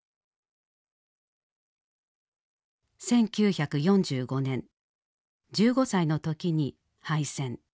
１９４５年１５歳の時に敗戦。